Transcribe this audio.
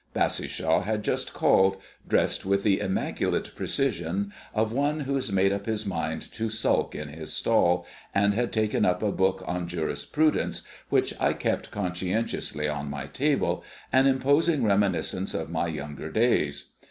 Bassishaw had just called, dressed with the immaculate precision of one who has made up his mind to sulk in his stall, and had taken up a book on jurisprudence which I kept conscientiously on my table, an imposing reminiscence of my younger days.